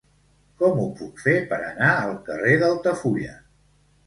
Com ho puc fer per anar al carrer d'Altafulla?